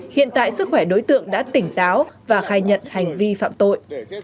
hiện tại sức khỏe đối tượng đã tỉnh táo và khai nhận hành vi phạm tội